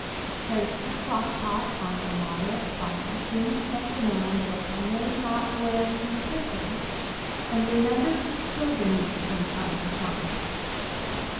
Place the stock pot on a moderate fire in such a manner that it may not boil too quickly, and remember to stir the meat from time to time.